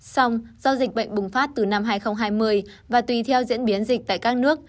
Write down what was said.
xong do dịch bệnh bùng phát từ năm hai nghìn hai mươi và tùy theo diễn biến dịch tại các nước